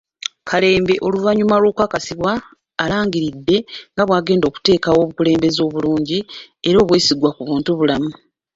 Kalembe oluvannyuma lw'okukakasibwa alangiridde nga bw'agenda okuteekawo obukulembeze obulungi era obwesigamye ku buntubulamu.